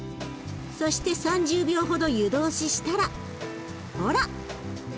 そして３０秒ほど湯通ししたらほら。